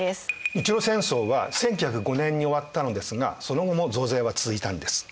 日露戦争は１９０５年に終わったのですがその後も増税は続いたんです。